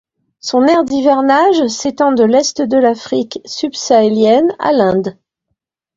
Son aire d'hivernage s'étend de l'est de l'Afrique subsahélienne à l'Inde.